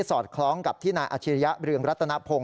อดคล้องกับที่นายอาชิริยะเรืองรัตนพงศ